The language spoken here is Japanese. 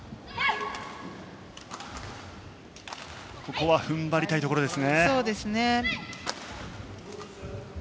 ここは踏ん張りたいところです。